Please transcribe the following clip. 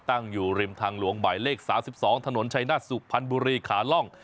ตั้งอยู่ริมทางหลวงหมายเลข๓๒ถนนชัยนาศสุพรรณบุรีขาล่อง